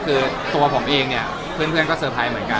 คือตัวผมเองเนี่ยเพื่อนก็เตอร์ไพรส์เหมือนกัน